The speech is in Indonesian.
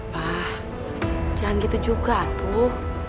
wah jangan gitu juga tuh